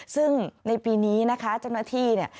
ซึ่งในปีนี้นะคะเจ้าหน้าที่เนี่ย